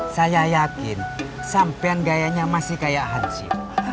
saya yakin sampean gayanya masih kayak haji